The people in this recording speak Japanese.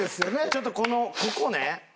ちょっとこのここね。